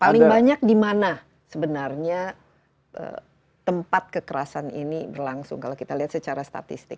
paling banyak di mana sebenarnya tempat kekerasan ini berlangsung kalau kita lihat secara statistik